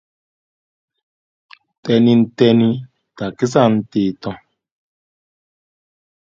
Color your own coins with these printable coin coloring pages.